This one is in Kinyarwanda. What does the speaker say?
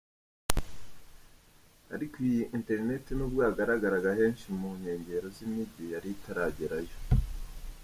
Ariko iyi internet nubwo yagaragaraga henshi mu nkengero z’imijyi yari itarageraho.